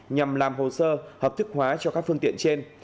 nhằm làm hồ sơ hợp thức hóa cho các phương tiện trên